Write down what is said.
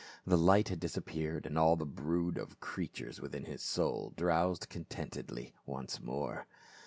The light had disappeared and all the brood of creatures within his soul drowsed contentedly once more.